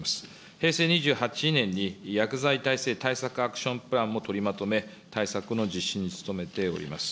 平成２８年に薬剤耐性対策アクションプランも取りまとめ、対策の実施に努めております。